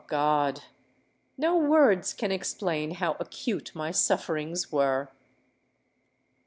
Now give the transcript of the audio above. God, no words can explain how acute my sufferings were!